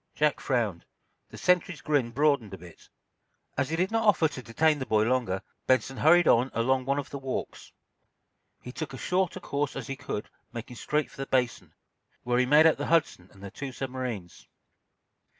Jack frowned. The sentry's grin broadened a bit. As he did not offer to detain the boy longer, Benson hurried on along one of the walks. He took as short a course as he could making straight for the Basin, where he made out the "Hudson" and the two submarines.